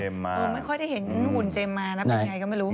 ไม่ค่อยได้เห็นหุ่นเจมส์มานะเป็นยังไงก็ไม่รู้